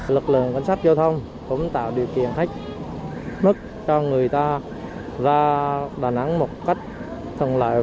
lực lượng quan sát giao thông cũng tạo điều kiện hết mức cho người ta ra đà nẵng một cách thân loại